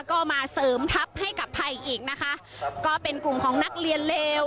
ก็มาเสริมทัพให้กับภัยอีกนะคะก็เป็นกลุ่มของนักเรียนเลว